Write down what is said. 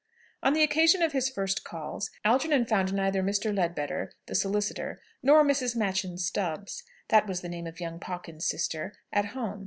On the occasion of his first calls, Algernon found neither Mr. Leadbeater, the solicitor, nor Mrs. Machyn Stubbs (that was the name of young Pawkins's sister) at home.